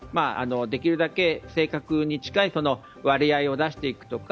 できるだけ正確に近い割合を出していくとか